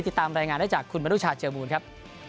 ติดตามรายงานได้จากคุณบริษัทเจียบูรณ์ครับ